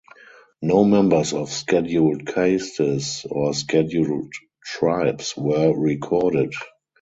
No members of scheduled castes or scheduled tribes were recorded.